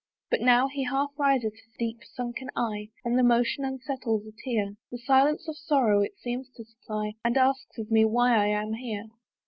But now he half raises his deep sunken eye, And the motion unsettles a tear; The silence of sorrow it seems to supply, And asks of me why I am here.